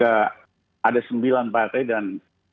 ada sembilan partai dan